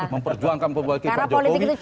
memperjuangkan pembalik pak jokowi